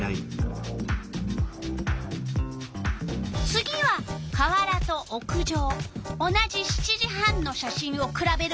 次は川原と屋上同じ７時半の写真をくらべるわよ。